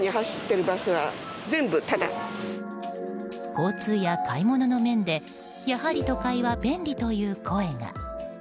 交通や買い物の面でやはり都会は便利という声が。